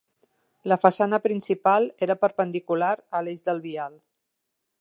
La façana principal era perpendicular a l'eix del vial.